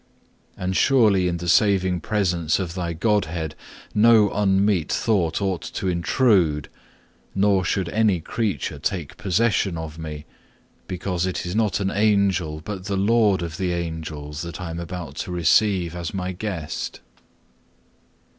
And surely in the saving presence of Thy Godhead no unmeet thought ought to intrude, nor should any creature take possession of me, because it is not an Angel but the Lord of the Angels, that I am about to receive as my Guest.